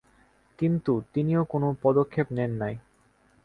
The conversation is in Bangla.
কিন্তু তিনিও কোনো পদক্ষেপ নেন নাই।